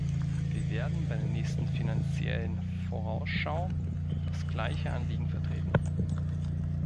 Wir werden bei der nächsten Finanziellen Vorausschau das gleiche Anliegen vertreten.